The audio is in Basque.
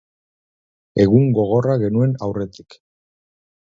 Egun gogorra genuen aurretik.